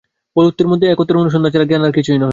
বহুত্বের মধ্যে একত্বের অনুসন্ধান ছাড়া জ্ঞান আর কিছুই নহে।